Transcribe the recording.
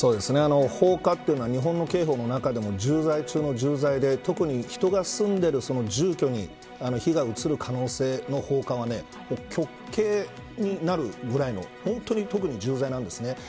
放火というのは日本の刑法の中でも重罪中の重罪で特に人が住んでいる住居に火が移る可能性の放火は極刑になるくらいの特に重大なんですね。